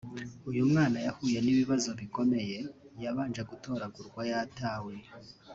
Uyu mwana yahuye n’ibibazo bikomeye yabanje gutoragurwa yatawe